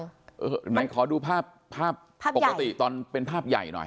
ครับเหมือนไงขอดูภาพปกติตอนเป็นภาพใหญ่หน่อย